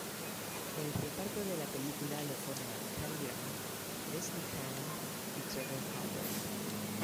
El reparto de la película lo forman Cary Grant, Leslie Caron y Trevor Howard.